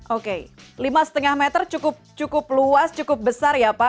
oke lima lima meter cukup luas cukup besar ya pak